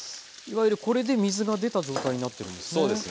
いわゆるこれで水が出た状態になってるんですね。